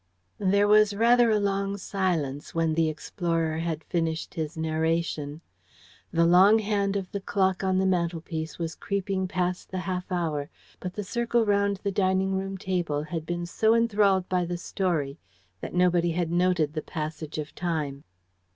There was rather a long silence when the explorer had finished his narration. The long hand of the clock on the mantelpiece was creeping past the half hour, but the circle round the dining room table had been so enthralled by the story that nobody had noted the passage of time.